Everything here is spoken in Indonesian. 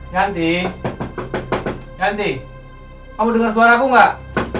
yanti kamu dengar suaraku gak